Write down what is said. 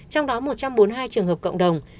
trong đó một trăm bốn mươi hai trường hợp cộng đồng